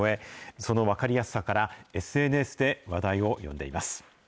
その分かりやすさから、ＳＮＳで話題を呼んでいます。